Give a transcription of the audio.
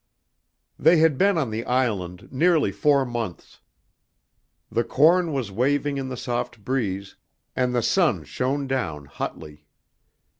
They had been on the island nearly four months. The corn was waving in the soft breeze, and the sun shone down hotly.